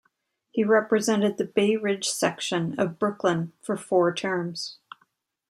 He represented the Bay Ridge section of Brooklyn for four terms.